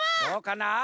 どうかな？